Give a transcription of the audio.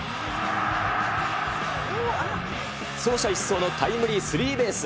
走者一掃のタイムリースリーベース。